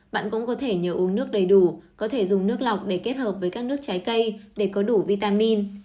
bạn cũng có thể nhờ uống nước đầy đủ có thể dùng nước lọc để kết hợp với các nước trái cây để có đủ vitamin